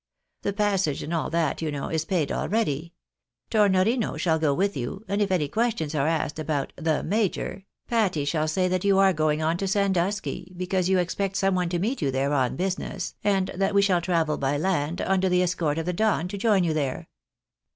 The passage and all that, you know, is paid already. Tornorino shall go with you, and if any questions are asked about ' the Major,'' Patty shall say that you are going on to Sandusky, because you expect some one to meet you there on business, and that we shall travel by land under the escort of the Don to join you there.